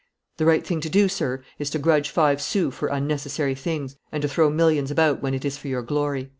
The right thing to do, sir, is to grudge five sous for unnecessary things, and to throw millions about when it is for your glory."